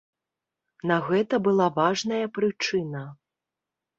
На гэта была важная прычына.